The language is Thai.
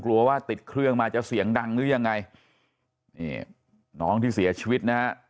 กลัวว่าติดเครื่องมาจะเสียงดังหรือยังไงนี่น้องที่เสียชีวิตนะฮะ